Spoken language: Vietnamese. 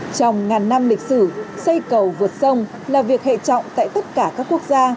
trong ngàn năm lịch sử xây cầu vượt sông là việc hệ trọng tại tất cả các quốc gia